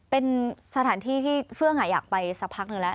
เป็นสถานที่ที่เฟื่องอยากไปสักพักหนึ่งแล้ว